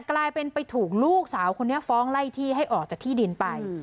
กลายเป็นไปถูกลูกสาวคนนี้ฟ้องไล่ที่ให้ออกจากที่ดินไป